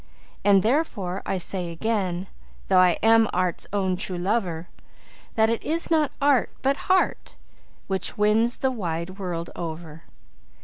And therefore I say again, though I am art's own true lover, That it is not art, but heart, which wins the wide world over.